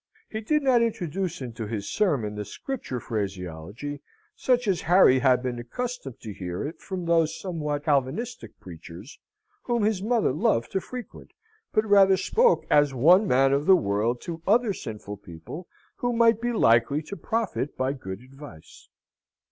He did not introduce into his sermon the Scripture phraseology, such as Harry had been accustomed to hear it from those somewhat Calvinistic preachers whom his mother loved to frequent, but rather spoke as one man of the world to other sinful people, who might be likely to profit by good advice.